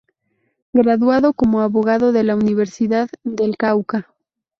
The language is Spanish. Graduado como abogado de la Universidad del Cauca.